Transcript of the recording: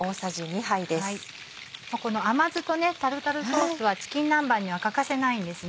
この甘酢とタルタルソースはチキン南蛮には欠かせないんですね。